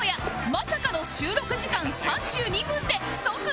まさかの収録時間３２分で即帰宅